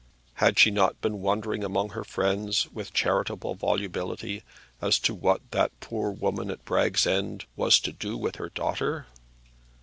Had she not been wondering among her friends, with charitable volubility, as to what that poor woman at Bragg's End was to do with her daughter?